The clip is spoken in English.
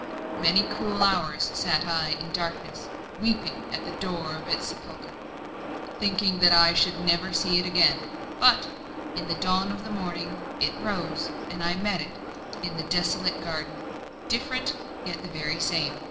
Many cruel hours sat I in darkness, weeping at the door of its sepulchre, thinking that I should never see it again; but, in the dawn of the morning, it rose, and I met it in the desolate garden, different, yet the very same.